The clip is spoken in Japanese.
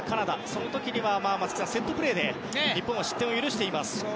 その時には松木さんセットプレーで日本は失点を許しています。